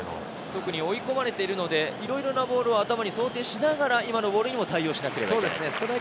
特に追い込まれているので、いろんなボールを頭に想定しながら対応しなければならない。